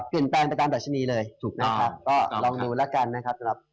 ลองดูละกันนะครับ